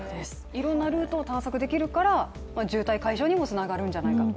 いろんなルートを探索できるから渋滞解消にもつながるんじゃないかと。